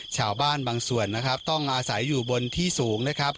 ชาวบ้านบางส่วนนะครับต้องอาศัยอยู่บนที่สูงนะครับ